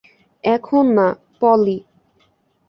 এখন না, পলি।